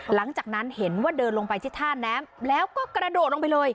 หลังจากนั้นเห็นว่าเดินลงไปที่ท่าน้ำแล้วก็กระโดดลงไปเลย